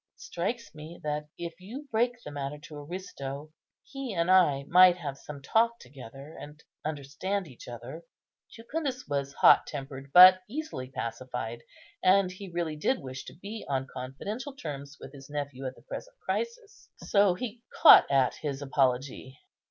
It strikes me that, if you break the matter to Aristo, he and I might have some talk together, and understand each other." Jucundus was hot tempered, but easily pacified; and he really did wish to be on confidential terms with his nephew at the present crisis; so he caught at his apology.